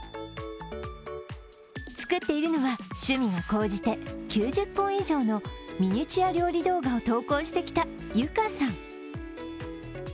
作っているのは、趣味が高じて９０本以上のミニチュア料理動画を投稿してきたＹｕｋａさん。